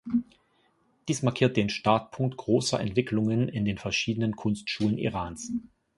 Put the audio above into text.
Dies markiert den Startpunkt großer Entwicklungen in den verschiedenen Kunstschulen Irans.